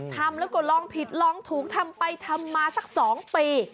ทำแล้วก็ลองผิดลองถูกทำไปทำมาสัก๒ปี